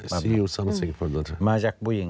แล้วเดี๋ยวไปจัดการให้